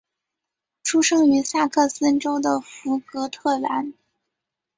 出生于萨克森州的福格特兰。